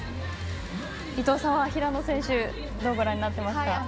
伊藤さんは平野選手どうご覧になっていますか。